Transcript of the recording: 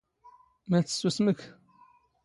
ⵎⴰ ⵜⵙⵙⵓⵙⵎ ⴽ?